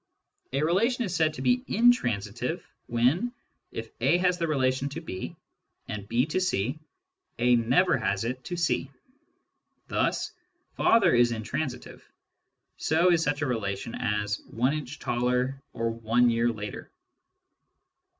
A relation is said to be intransitive when, if A has the .relation to B, and B to C, A never has it to C. Thus " father " is intransitive. So is such a relation as " one inch taller " or " one year later."